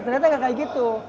ternyata gak kayak gitu